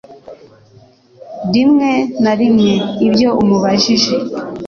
rimwe na rimwe ibyo umubajije